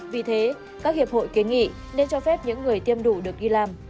vì thế các hiệp hội kiến nghị nên cho phép những người tiêm đủ được ghi làm